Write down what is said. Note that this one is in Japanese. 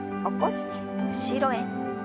起こして後ろへ。